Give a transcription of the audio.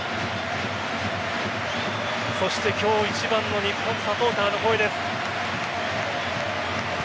そして今日一番の日本サポーターの声です。